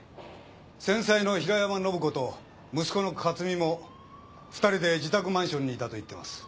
先妻の平山信子と息子の克巳も二人で自宅マンションにいたと言ってます。